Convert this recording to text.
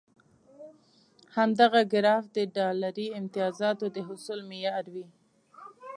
همدغه ګراف د ډالري امتیازاتو د حصول معیار وي.